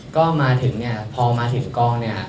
ก็มาถึงเนี่ยพอมาถึงกองเนี่ย